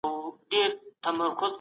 د تعليم اهميت په اسلام کي ډېر دی.